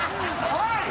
おい！